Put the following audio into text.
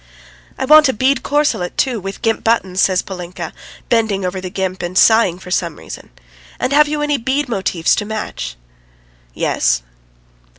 "I want a bead corselet, too, with gimp buttons," says Polinka, bending over the gimp and sighing for some reason. "And have you any bead motifs to match?" "Yes."